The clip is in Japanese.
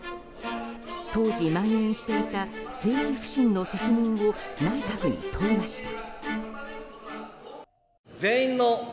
当時、蔓延していた政治不信の責任を内閣に問いました。